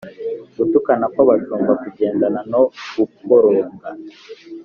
gutukana kw'abashumba kugendana no gukoronga